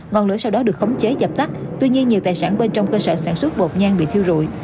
ngọn lửa sau đó được khống chế dập tắt tuy nhiên nhiều tài sản bên trong cơ sở sản xuất bột nhan bị thiêu rụi